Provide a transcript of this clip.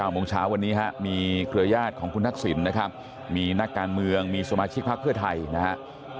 โมงเช้าวันนี้มีเครือยาศของคุณทักษิณนะครับมีนักการเมืองมีสมาชิกพักเพื่อไทยนะครับ